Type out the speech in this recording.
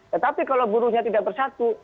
tetapi kalau buruhnya tidak bersatu